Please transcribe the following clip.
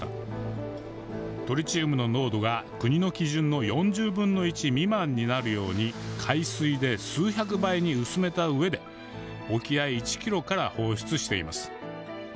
トリチウムの濃度が国の基準の４０分の１未満になるように海水で数百倍に薄めたうえで沖合１ｋｍから放出しています。